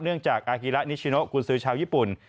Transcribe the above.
เนื่องจากอาคิระนิชิโนะกูลซื้อชาวญี่ปุ่น